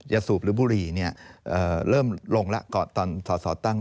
สูบหรือบุรีเริ่มลงแล้วก่อนตอนสอสอตั้ง